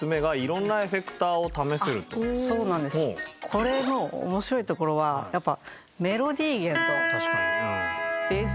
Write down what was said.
これの面白いところはやっぱ。